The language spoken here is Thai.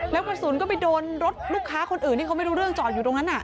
แล้วกระสุนก็ไปโดนรถลูกค้าคนอื่นที่เขาไม่รู้เรื่องจอดอยู่ตรงนั้น